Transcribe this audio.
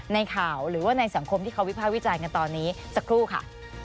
ในข่าวหรือว่าในสังคมที่เขาวิภาควิจารณ์กันตอนนี้สักครู่ค่ะ